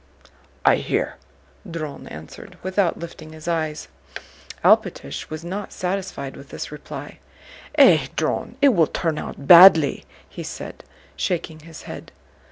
"I hear," Dron answered without lifting his eyes. Alpátych was not satisfied with this reply. "Eh, Dron, it will turn out badly!" he said, shaking his head.